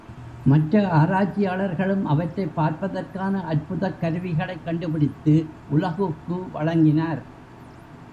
மற்ற ஆராய்ச்சியாளர்களும் அவற்றைப் பார்ப்பதற்கான அற்புதக் கருவிகளைக் கண்டுபிடித்து உலகுக்கு வழங்கினார்.